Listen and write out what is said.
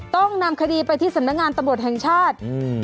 ต้องนำคดีไปที่สำนักงานตำรวจแห่งชาติ